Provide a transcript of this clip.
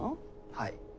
はい。